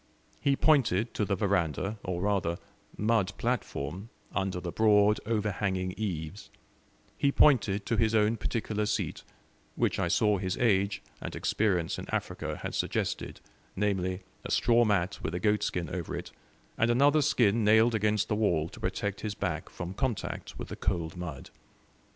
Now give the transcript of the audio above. He pointed to the veranda, or rather, mud platform, under the broad overhanging eaves; he pointed to his own particular seat, which I saw his age and experience in Africa had suggested, namely, a straw mat, with a goatskin over it, and another skin nailed against the wall to protect his back from contact with the cold mud.